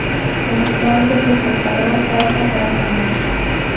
Constanze les preparó pasta para comer.